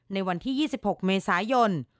ในวันที่๒๖เมษายน